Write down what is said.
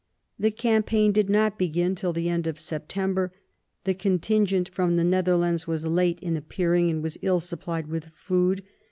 The campaign did not begin till the end of September; the contingent from the Netherlands was late in appearing and was ill supplied with food.